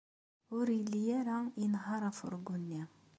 Ur yelli ara inehheṛ afurgu-nni.